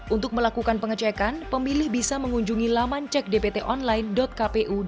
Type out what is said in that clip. untuk melakukan pengecekan pemilih bisa mengunjungi laman cekdptonline kpu go id